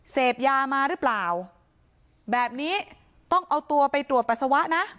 เสพยามาหรือเปล่าแบบนี้ต้องเอาตัวไปตรวจปัสสาวะนะ